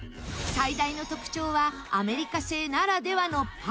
最大の特徴はアメリカ製ならではのパワー。